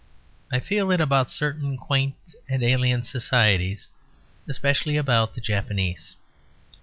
I feel it about certain quaint and alien societies, especially about the Japanese.